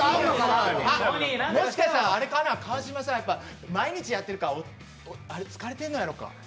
もしかしたらあれかな、川島さん、毎日やってるから疲れてるんやろか。